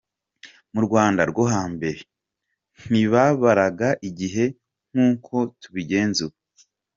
Mu Rwanda rwo hambere ntibabaraga igihe nk’uko tubigenza ubu.